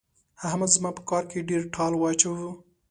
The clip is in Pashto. احمد زما په کار کې ډېر ټال واچاوو.